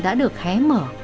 đã được hé mở